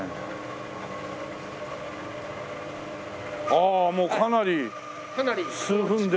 ああもうかなり数分で。